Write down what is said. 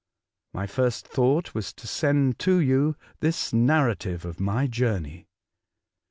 My first thought was to send to you this narrative of my journey.